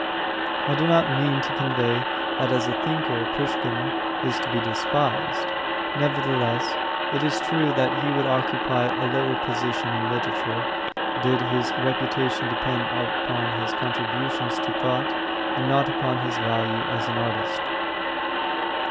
I do not mean to convey that as a thinker Pushkin is to be despised. Nevertheless, it is true that he would occupy a lower position in literature did his reputation depend upon his contributions to thought and not upon his value as an artist.